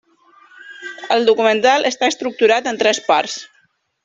El documental està estructurat en tres parts.